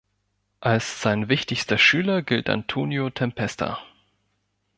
Als sein wichtigster Schüler gilt Antonio Tempesta.